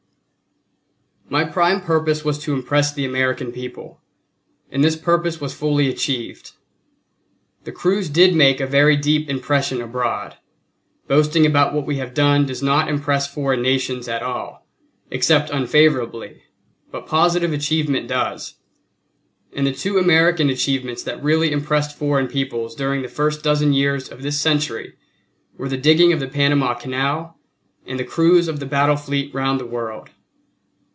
My prime purpose was to impress the American people; and this purpose was fully achieved. The cruise did make a very deep impression abroad; boasting about what we have done does not impress foreign nations at all, except unfavorably, but positive achievement does; and the two American achievements that really impressed foreign peoples during the first dozen years of this century were the digging of the Panama Canal and the cruise of the battle fleet round the world.